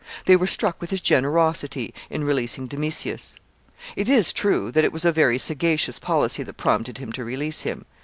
They were struck with his generosity in releasing Domitius. It is true that it was a very sagacious policy that prompted him to release him.